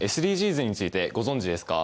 ＳＤＧｓについてご存じですか？